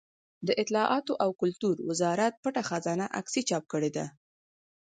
د اطلاعاتو او کلتور وزارت پټه خزانه عکسي چاپ کړې ده.